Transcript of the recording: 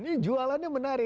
ini jualannya menarik